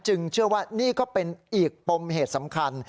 เชื่อว่านี่ก็เป็นอีกปมเหตุสำคัญ